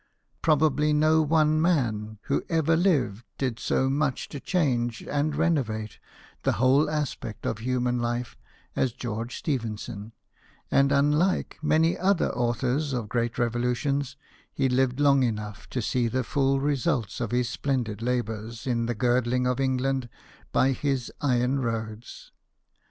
Probably no one man who ever lived did so much to change and renovate the whole aspect of human life as George Stephenson ; and, unlike many other authors of great revolutions, he lived long enough to see the full result of his splendid labours in the girdling of England by his iron roads.